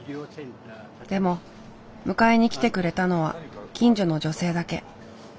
でも迎えに来てくれたのは近所の女性だけ。